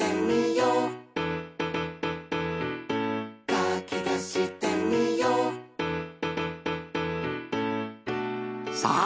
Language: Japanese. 「かきたしてみよう」さあ！